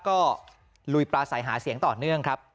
ก็ลุยปราศัยหาเสียงต่อเนื่องครับ